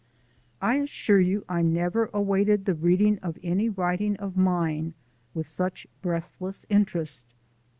'I assure you I never awaited the reading of any writing of mine with such breathless interest.